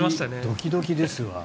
ドキドキですわ。